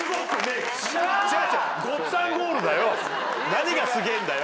何がすげえんだよ。